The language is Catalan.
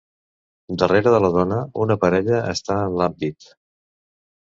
Darrere de la dona, una parella està en l'ampit.